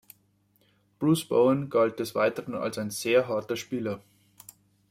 Bruce Bowen galt des Weiteren als ein sehr harter Spieler.